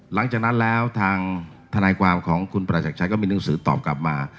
หลังจากนั้นแล้วทางทนายความของคุณประจักรชัยก็มีหนังสือตอบกลับมา